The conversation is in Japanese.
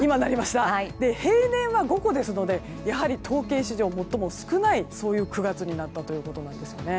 平年は５個ですので統計史上最も少ない９月になったということです。